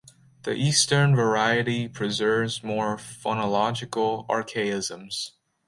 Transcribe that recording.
The eastern variety preserves more phonological archaisms.